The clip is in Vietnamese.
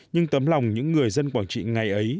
nhưng tấm lòng những người dân quảng trị ngày ấy